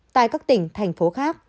tại các tỉnh thành phố khác